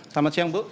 selamat siang bu